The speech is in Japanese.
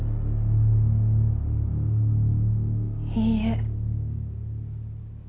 いいえ。